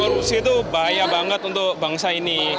korupsi itu bahaya banget untuk bangsa ini